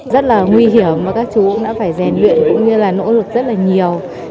rất là nguy hiểm mà các chú đã phải rèn luyện cũng như là nỗ lực rất là nhiều